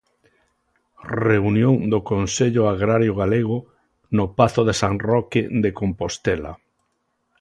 Reunión do Consello Agrario Galego no pazo de San Roque de Compostela.